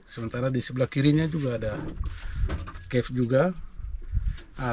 sementara di sebelah kirinya juga ada cave juga